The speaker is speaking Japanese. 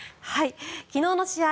昨日の試合